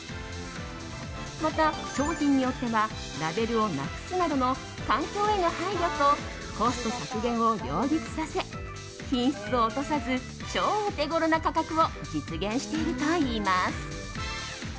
また商品によってはラベルをなくすなどの環境への配慮とコスト削減を両立させ品質を落とさず超お得な価格を実現しているといいます。